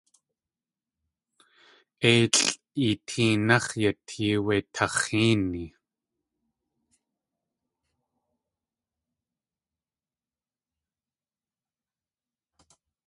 Éilʼ eetéenáx̲ yatee wé tax̲héeni.